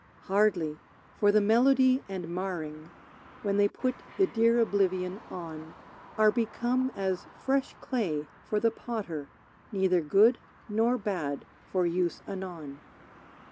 Hardly. For the melody and marring, When they put the dear oblivion on, Are become as fresh clay for the potter, Neither good nor bad, for use anon.